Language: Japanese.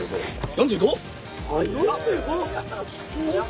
４５！？